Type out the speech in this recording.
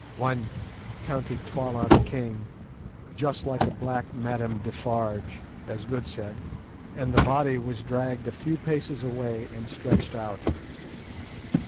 "One," counted Twala the king, just like a black Madame Defarge, as Good said, and the body was dragged a few paces away and stretched out.